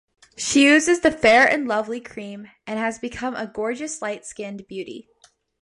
She uses the Fair and Lovely cream and has become a gorgeous light-skinned beauty.